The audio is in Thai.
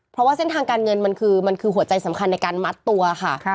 เพราะว่าเส้นทางการเงินมันคือมันคือหัวใจสำคัญในการมัดตัวค่ะ